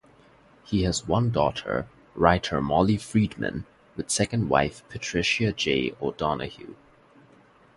He has one daughter-writer Molly Friedman-with second wife Patricia J. O'Donohue.